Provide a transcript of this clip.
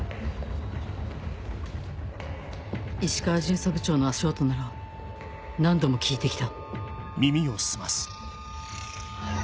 石川巡査部長の足音なら何度も聞いて来た